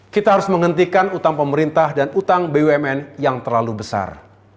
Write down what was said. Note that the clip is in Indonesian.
kita harus menghentikan utang pemerintah dan utang bumn yang terlalu besar